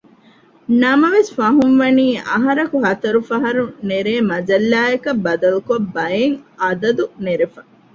ނަމަވެސް ފަހުންވަނީ އަހަރަކު ހަތަރު ފަހަރު ނެރޭ މަޖައްލާއަކަށް ބަދަލުކޮށް ބައެއް އަދަދު ނެރެފަ